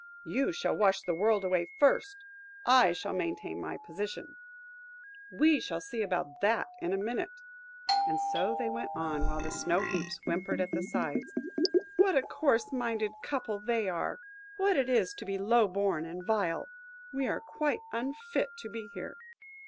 –"You shall wash the world away first. I shall maintain my position." –"We shall see about that in a minute." And so they went on, while the Snow heaps whimpered at the sides: "What a coarse minded couple they are! What it is to be low born and vile! We are quite unfit to be here!"